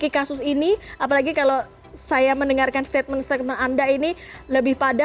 kasus ini apalagi kalau saya mendengarkan statement statement anda ini lebih pada